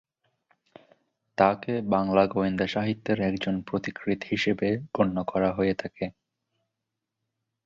তাকে বাংলা গোয়েন্দা সাহিত্যের একজন পথিকৃৎ হিসেবে গণ্য করা হয়ে থাকে।